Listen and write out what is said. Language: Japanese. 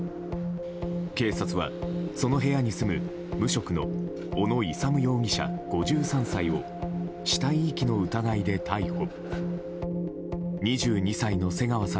警察はその部屋に住む無職の小野勇容疑者、５３歳を死体遺棄の疑いで逮捕。